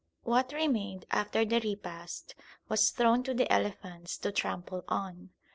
What remained after the repast was thrown to the elephants to trample on.